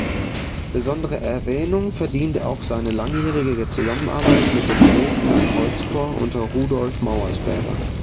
Besondere Erwähnung verdient auch seine langjährige Zusammenarbeit mit dem Dresdner Kreuzchor unter Rudolf Mauersberger.